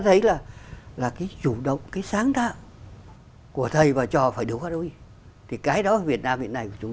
thấy là là cái chủ động cái sáng tạo của thầy và cho phải đối thì cái đó việt nam hiện nay của chúng